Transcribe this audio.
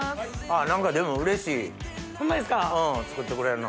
何かでもうれしい作ってくれるの。